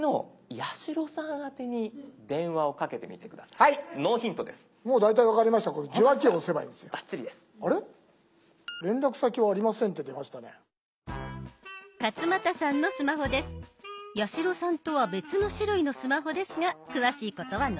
八代さんとは別の種類のスマホですが詳しいことは後ほど。